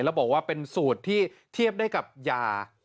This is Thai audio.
แล้วบอกว่าเป็นสูตรที่เทียบได้กับยา